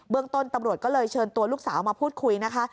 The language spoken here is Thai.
ต้นตำรวจก็เลยเชิญตัวลูกสาวมาพูดคุยนะคะ